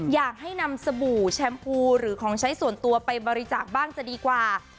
อยากให้นำสบู่แชมพูหรือของใช้ส่วนตัวไปบริจาคบ้างจะดีกว่า